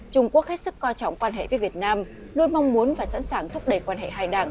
trung quốc hết sức coi trọng quan hệ với việt nam luôn mong muốn và sẵn sàng thúc đẩy quan hệ hai đảng